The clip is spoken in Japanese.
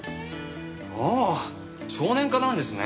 ああ少年課なんですね。